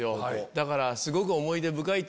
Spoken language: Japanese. だからすごく。